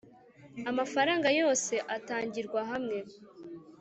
amafaranga yose atangirwa hamwe.